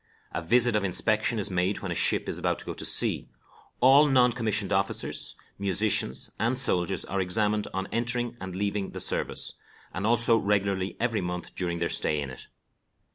A visit of inspection is made when a ship is about to go to sea. All non commissioned officers, musicians, and soldiers are examined on entering and leaving the service, and also regularly every month during their stay in it.